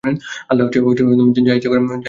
আল্লাহ্ যা ইচ্ছা করেন তা করেন।